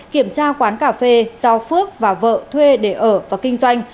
kiểm tra quán cà phê do phước và vợ thuê để ở và kinh doanh